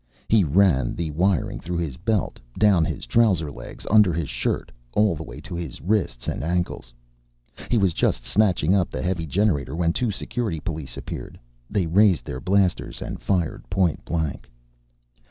He ran the wiring through his belt, down his trouser legs, under his shirt, all the way to his wrists and ankles. He was just snatching up the heavy generator when two Security police appeared. They raised their blasters and fired point blank.